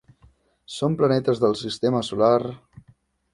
Són planetes del sistema solar: